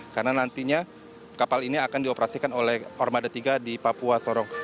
karena nantinya kapal ini akan dioperasikan oleh kormada tiga di papua sorong